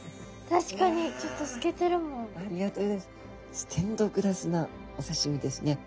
ステンドグラスのお刺身ですね。